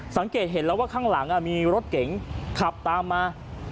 สังเกตเห็นแล้วว่าข้างหลังมีรถเก๋งขับตามมา